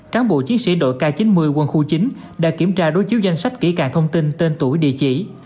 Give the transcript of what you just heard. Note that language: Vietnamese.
cán bộ chiến sĩ đội k chín mươi quân khu chín đã kiểm tra đối chiếu danh sách kỹ càng thông tin tên tuổi địa chỉ